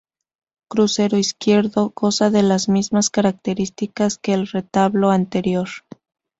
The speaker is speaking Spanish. Crucero izquierdo; goza de las mismas características que el retablo anterior.